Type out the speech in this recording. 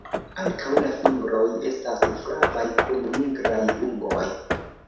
Ankaŭ la fingroj estas flavaj kun nigraj ungoj.